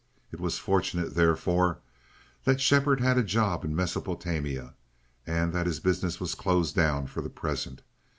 It was fortunate, therefore, that Shepherd had a job in Mesopotamia, and that his business was closed down for the present.